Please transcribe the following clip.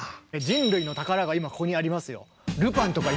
人類の宝が今ここにありますよ。